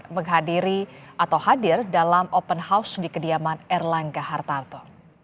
menghadiri atau hadir dalam open house di kediaman erlangga hartarto